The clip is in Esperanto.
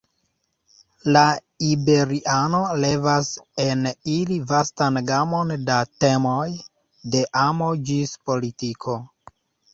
La iberiano levas en ili vastan gamon da temoj, de amo ĝis politiko.